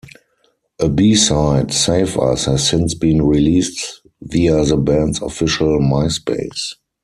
A B-side, "Save Us", has since been released via the band's official Myspace.